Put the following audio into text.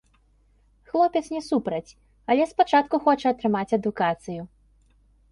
Хлопец не супраць, але спачатку хоча атрымаць адукацыю.